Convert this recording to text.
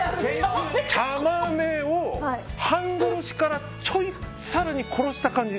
茶豆を半殺しからちょい、更に殺した感じ。